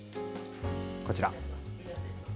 こちら。